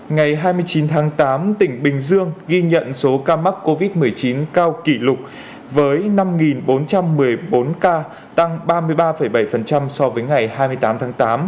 ngày hai mươi chín tháng tám tỉnh bình dương ghi nhận số ca mắc covid một mươi chín cao kỷ lục với năm bốn trăm một mươi bốn ca tăng ba mươi ba bảy so với ngày hai mươi tám tháng tám